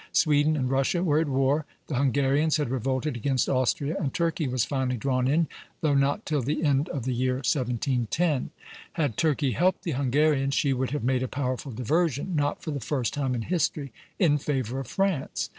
Sweden and Russia were at war, the Hungarians had revolted against Austria, and Turkey was finally drawn in, though not till the end of the year 1710. Had Turkey helped the Hungarians, she would have made a powerful diversion, not for the first time in history, in favor of France.